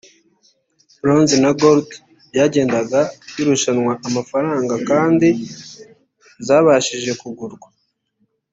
Blonze na Gold byagendaga birushanwa amafaranga kandi zabashije kugurwa